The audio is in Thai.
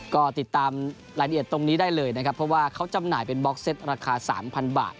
ก็ติดตามรายละเอียดตรงนี้ได้เลยนะครับเพราะว่าเขาจำหน่ายเป็นบล็อกเซตราคา๓๐๐บาท